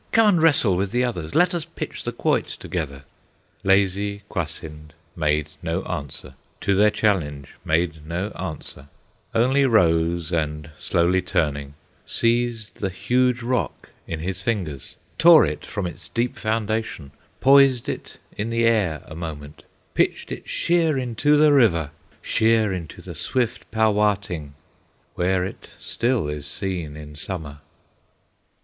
Come and wrestle with the others, Let us pitch the quoit together!" Lazy Kwasind made no answer, To their challenge made no answer, Only rose, and slowly turning, Seized the huge rock in his fingers, Tore it from its deep foundation, Poised it in the air a moment, Pitched it sheer into the river, Sheer into the swift Pauwating, Where it still is seen in Summer.